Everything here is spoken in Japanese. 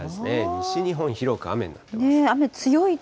西日本、広く雨になっています。